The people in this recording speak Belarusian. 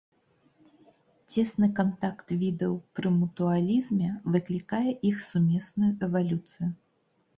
Цесны кантакт відаў пры мутуалізме выклікае іх сумесную эвалюцыю.